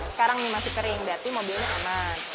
sekarang nih masih kering berarti mobilnya aman